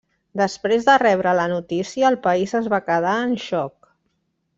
Després de rebre la notícia, el país es va quedar en xoc.